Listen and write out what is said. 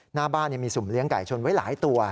หน้าบ้านมีสุ่มเลี้ยไก่ชนไว้หลายตัว